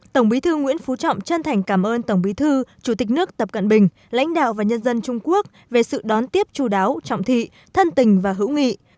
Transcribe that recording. tổng bí thư nguyễn phú trọng chân thành cảm ơn tổng bí thư chủ tịch nước tập cận bình lãnh đạo và nhân dân trung quốc về sự đón tiếp chú đáo trọng thị thân tình và hữu nghị